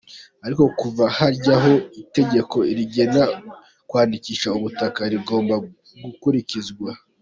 Ariko kuva hajyaho itegeko rigena kwandikisha ubutaka rigomba gukurikizwa.